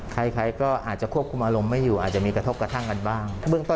ใครก็อาจจะควบคุมอารมณ์ไม่อยู่อาจจะมีกระทบกระทั่งกันบ้าง